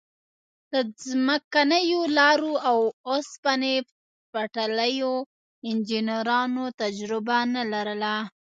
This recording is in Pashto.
د ځمکنیو لارو او اوسپنې پټلیو انجنیرانو تجربه نه لرله.